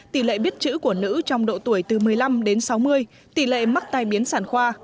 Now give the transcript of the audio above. tỷ lệ biết chữ của nữ trong độ tuổi từ một mươi năm đến sáu mươi tỷ lệ mắc tai biến sản khoa